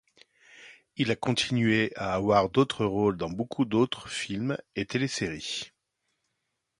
Il a continué à avoir d'autres rôles dans beaucoup d'autres films et téléséries.